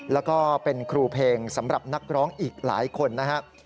แล้วก็เป็นครูเพลงสำหรับนักร้องอีกหลายคนนะครับ